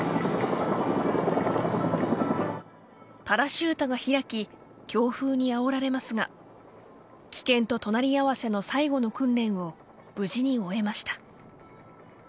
パラシュートが開き強風にあおられますが危険と隣り合わせの最後の訓練を無事に終えました。